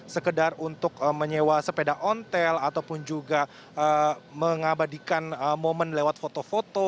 sekedar untuk menyewa sepeda ontel ataupun juga mengabadikan momen lewat foto foto